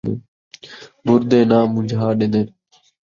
مردے ناں من٘جا ݙین٘دے